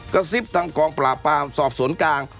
กระซิบทางกองปรอสอบสนกลาง